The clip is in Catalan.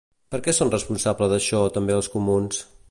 Per què són responsables d'això també els comuns?